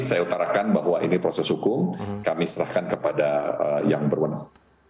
saya utarakan bahwa ini proses hukum kami serahkan kepada yang berwenang